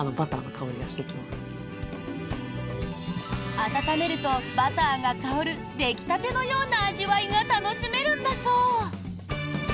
温めるとバターが香る出来たてのような味わいが楽しめるんだそう。